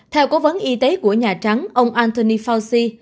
theo cố vấn y tế của nhà trắng ông antony fauci